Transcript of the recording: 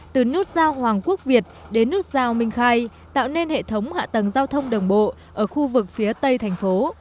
từ nút giao hoàng quốc việt đến nút giao minh khai tạo nên hệ thống hạ tầng giao thông đồng bộ ở khu vực phía tây thành phố